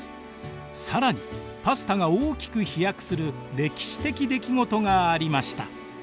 更にパスタが大きく飛躍する歴史的出来事がありました。